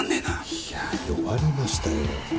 いやあ弱りましたよ。